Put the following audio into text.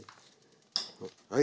はい。